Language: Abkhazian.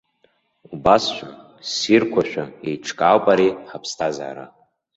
Убасшәа, ссирқәашәа еиҿкаауп ари ҳаԥсҭазаара.